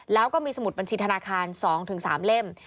แล้วก็มีสมุดบัญชีธนาคาร๒๓เล่ม